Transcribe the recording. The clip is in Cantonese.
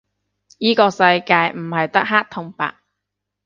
依個世界唔係得黑同白